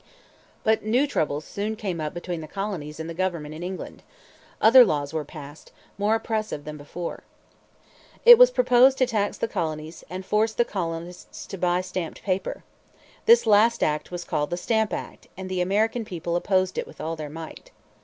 But new troubles soon came up between the colonies and the government in England. Other laws were passed, more oppressive than before. It was proposed to tax the colonies, and to force the colonists to buy stamped paper. This last act was called the Stamp Tax, and the American people opposed it with all their might.